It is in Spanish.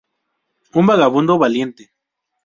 Un vagabundo valiente.